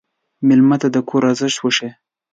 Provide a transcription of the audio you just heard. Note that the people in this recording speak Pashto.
مېلمه ته د کور ارزښت وښیه.